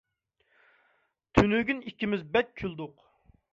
تۈنۈگۈن ئىككىمىز بەك كۈلدۇق.